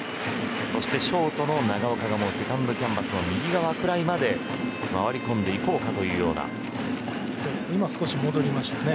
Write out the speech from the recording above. そしてショートの長岡がセカンドキャンパスの右側ぐらいまで回り込んでいこうか今少し戻りましたね。